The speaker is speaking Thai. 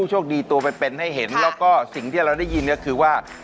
เช็คเดียวกันกับของคำราคา